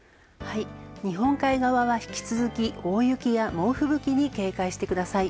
日本海側は引き続き大雪や猛吹雪に警戒してください。